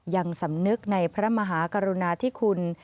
ยังสำนึกในพระมหากรุณาธิคุณ